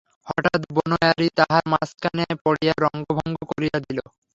হঠাৎ বনোয়ারি তাহার মাঝখানে পড়িয়া রসভঙ্গ করিয়া দিল।